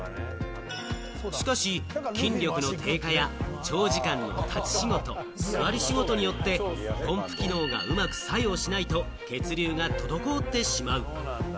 しかし、筋力の低下や長時間の立ち仕事、座り仕事によってポンプ機能がうまく作用しないと血流が滞ってしまう。